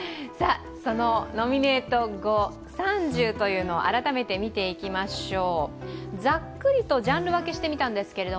そのノミネート語３０を改めて見ていきましょう。